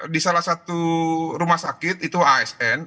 di salah satu rumah sakit itu asn